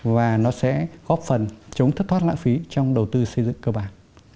và nó sẽ góp phần chống thất thoát lãng phí trong đầu tư xây dựng cơ bản